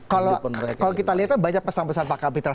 kalau kita lihat banyak pesan pesan pakapitra